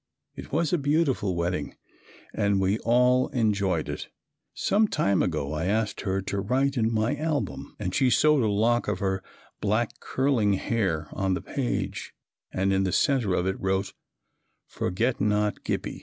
It was a beautiful wedding and we all enjoyed it. Some time ago I asked her to write in my album and she sewed a lock of her black curling hair on the page and in the center of it wrote, "Forget not Gippie."